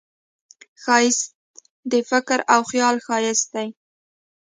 ښایست د فکر او خیال ښایست دی